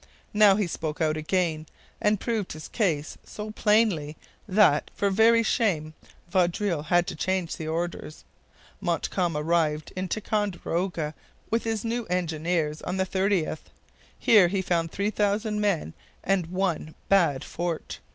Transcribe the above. Now he spoke out again, and proved his case so plainly that, for very shame, Vaudreuil had to change the orders. Montcalm arrived at Ticonderoga with his new engineers on the 30th. Here he found 3,000 men and one bad fort.